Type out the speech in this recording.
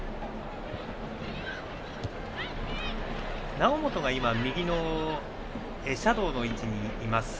猶本が右のシャドーの位置にいます。